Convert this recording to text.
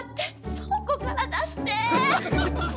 倉庫から出して。